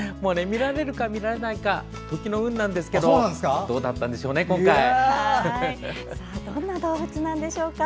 見られるか見られないか時の運なんですけどどんな動物なんでしょうか。